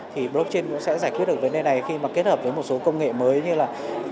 thì blockchain cũng sẽ giải quyết được vấn đề này khi mà kết hợp với một số công nghệ mới như là